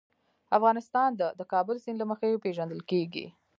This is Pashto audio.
افغانستان د د کابل سیند له مخې پېژندل کېږي.